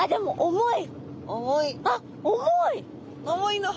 重い！